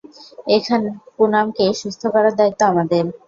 এখন পুনামকে সুস্থ করার দায়িত্ব আমাদের।